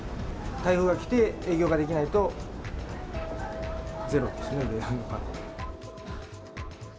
台風が来て営業ができないと、ゼロですね、売り上げは。